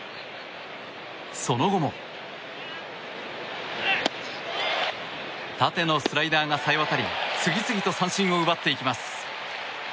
その後も縦のスライダーが冴えわたり次々と三振を奪っていきます。